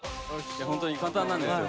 ホントに簡単なんですよ